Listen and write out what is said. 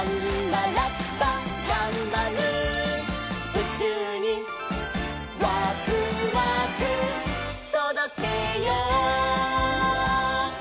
「うちゅうにワクワクとどけよう！」